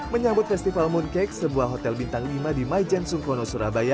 menyambut festival mooncake sebuah hotel bintang lima di maijen sungkono surabaya